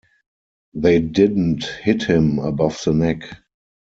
They didn't hit him above the neck.